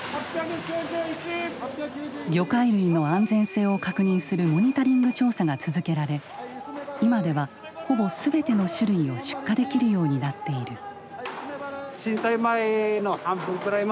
魚介類の安全性を確認するモニタリング調査が続けられ今ではほぼ全ての種類を出荷できるようになっている。